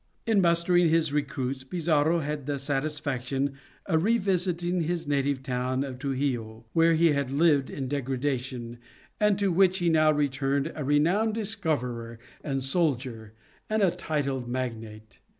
In mustering his recruits Pizarro had the satisfaction of revisiting his native town of Truxillo, where he had lived in degradation, and to which he now returned a renowned discoverer and soldier, and a titled magnate.